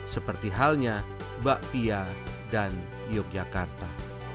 seperti halnya bapia dan yogyakarta